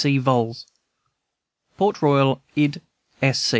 C. Vols., Port Royal Id.